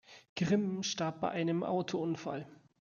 Grimm starb bei einem Autounfall.